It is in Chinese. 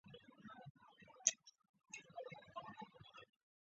弘治七年致仕。